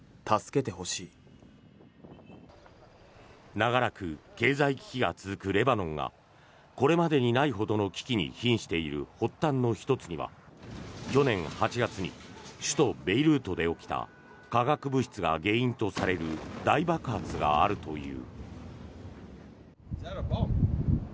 長らく経済危機が続くレバノンがこれまでにないほどの危機に瀕している発端の１つには去年８月に首都ベイルートで起きた化学物質が原因とされる大爆発があるという。